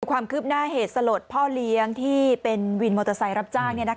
ความคืบหน้าเหตุสลดพ่อเลี้ยงที่เป็นวินมอเตอร์ไซค์รับจ้าง